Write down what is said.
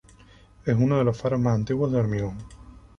Es uno de los faros más antiguos de hormigón.